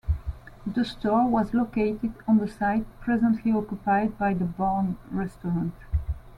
The store was located on the site presently occupied by the Barn Restaurant.